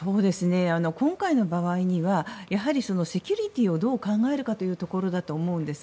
今回の場合にはやはりセキュリティーをどう考えるかというところだと思うんです。